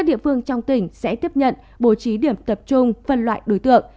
tỉnh sẽ tiếp nhận bố trí điểm tập trung phân loại đối tượng